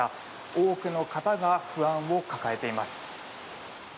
多くの方が不安を抱えています。